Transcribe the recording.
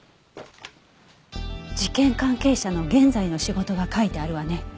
事件関係者の現在の仕事が書いてあるわね。